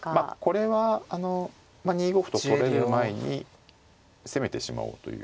これは２五歩と取られる前に攻めてしまおうという。